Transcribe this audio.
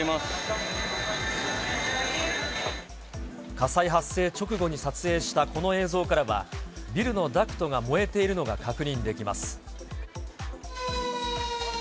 火災発生直後に撮影したこの映像からは、ビルのダクトが燃えているのが確認できます。